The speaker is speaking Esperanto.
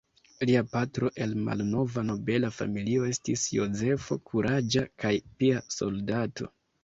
Lia patro el malnova nobela familio estis Jozefo, kuraĝa kaj pia soldato.